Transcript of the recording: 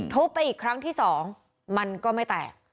ไปอีกครั้งที่สองมันก็ไม่แตก